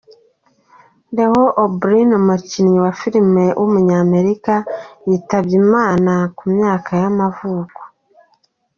Leo O’Brien, umukinnyi wa film w’umunyamerika yitabye Imana ku myaka y’amavuko.